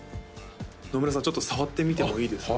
野村さんちょっと触ってみてもいいですか？